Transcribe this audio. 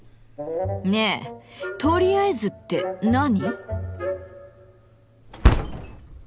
ねえ「とりあえず」って何？